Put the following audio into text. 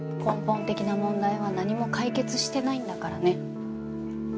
根本的な問題は何も解決してないんだからね。